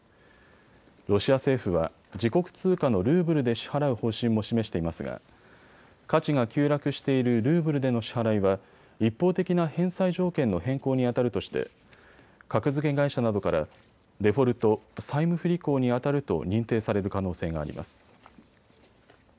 ロシア政府は自国通貨のルーブルで支払う方針も示していますが価値が急落しているルーブルでの支払いは一方的な返済条件の変更にあたるとして格付け会社などからデフォルト・債務不履行にあたると認定される可能性があります。